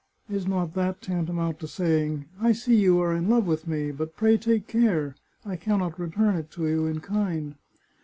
Is not that tanta mount to saying :' I see you are in love with me. But pray take care! I can not return it to you in kind.'